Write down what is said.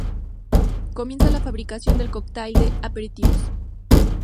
Comienza la fabricación del Cocktail de aperitivos.